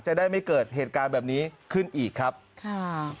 จะได้ไม่เกิดเหตุการณ์แบบนี้ขึ้นอีกครับค่ะ